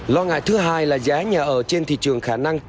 lo ngại thứ hai là giá nhà ở trên thị trường khả năng